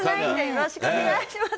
よろしくお願いします。